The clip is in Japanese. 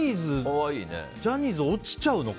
ジャニーズ落ちちゃうの？